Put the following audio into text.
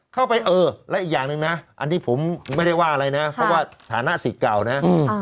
เข้าไปเออแล้วอีกอย่างนึงนะอันที่ผมไม่ได้ว่าอะไรนะเพราะว่าฐานะศิกเก่านะ